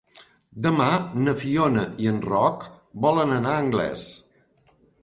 Demà na Fiona i en Roc volen anar a Anglès.